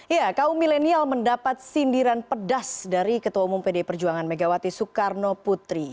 ya kaum milenial mendapat sindiran pedas dari ketua umum pdi perjuangan megawati soekarno putri